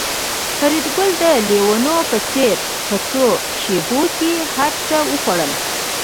فریدګل د لېونو په څېر په څو شېبو کې هرڅه وخوړل